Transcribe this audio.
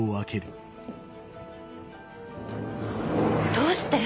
どうして？